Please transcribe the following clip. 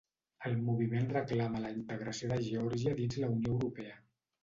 El Moviment reclama la integració de Geòrgia dins la Unió Europea.